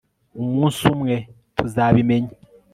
umunsi umwe, tuzabimenya